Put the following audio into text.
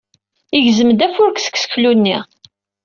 Yegzem-d afurk seg useklu-nni.